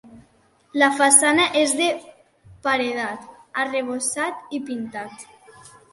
La façana és de paredat arrebossat i pintat.